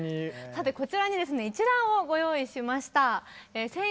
さてこちらにですね一覧をご用意しました。